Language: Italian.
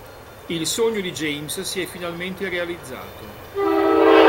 Il sogno di James si è finalmente realizzato.